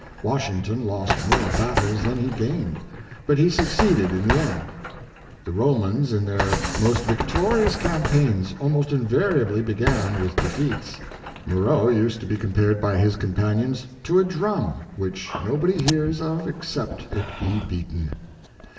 Washington lost more battles than he gained; but he succeeded in the end. The Romans, in their most victorious cam paigns, almost invariably began with defeats. Mo reau used to be compared by his companions to a drum, which nobody hears of except it be beaten.